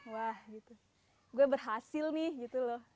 wah gue berhasil nih